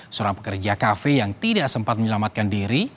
seorang pekerja kafe yang tidak sempat menyelamatkan diri